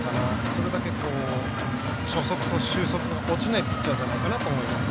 それだけ、初速と終速が落ちないピッチャーだと思います。